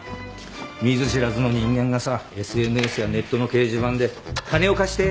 見ず知らずの人間がさＳＮＳやネットの掲示板で「金を貸して」